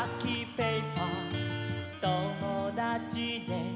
ペーパーともだちで」